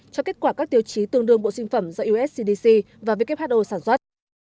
cho kết quả các tiêu chí tương đương bộ sinh phẩm do uscdc và who sản xuất